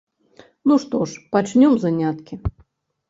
Ну што ж пачнём заняткі.